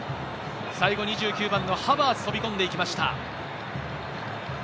最後、２９番のハバーツ、飛び込んでいきました。